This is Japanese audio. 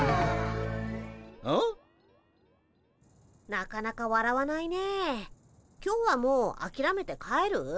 なかなかわらわないね。今日はもうあきめて帰る？